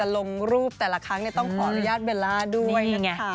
ลงรูปแต่ละครั้งต้องขออนุญาตเบลล่าด้วยนะคะ